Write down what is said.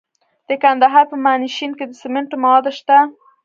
د کندهار په میانشین کې د سمنټو مواد شته.